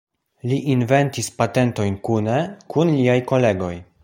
Li inventis patentojn kune kun liaj kolegoj.